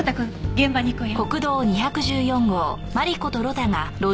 現場に行くわよ。